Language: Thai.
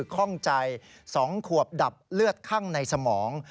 คล่องใจ๒ควบดับเลือดข้างในสมอง